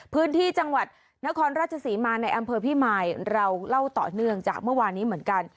พื้นที่จังหวัดนครราชศรีมาในอำเภอพี่มายเราเล่าต่อเนื่องจากเมื่อวานนี้เหมือนกัน